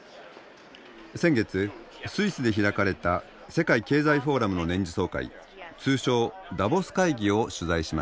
先月スイスで開かれた世界経済フォーラムの年次総会通称ダボス会議を取材しました。